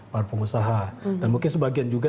para pengusaha dan mungkin sebagian juga